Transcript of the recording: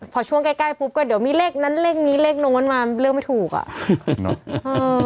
พอช่วงใกล้ใกล้ปุ๊บก็เดี๋ยวมีเลขนั้นเลขนี้เลขตรงนั้นมาเลือกไม่ถูกอ่ะเนอะ